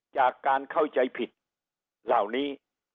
จากการเข้าใจผิดเหล่านี้